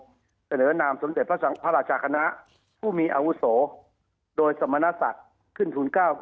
หรือนามสมเด็จพระราชกรณะผู้มีอาวุศโฆษณ์โดยสมณสัตว์ขึ้นธุรกิจ๐๙